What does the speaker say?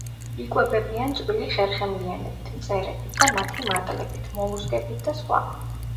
იკვებებიან წვრილი ხერხემლიანებით, მწერებით და მათი მატლებით, მოლუსკებით და სხვა.